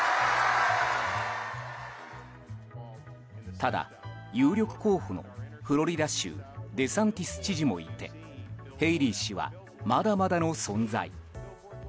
ただ有力候補の、フロリダ州デサンティス知事もいてヘイリー氏はまだまだの存在。